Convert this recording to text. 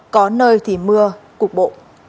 có nơi thì mưa cục bộ